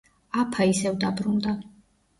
აფა ისევ დაბრუნდა.